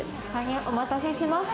お待たせしました。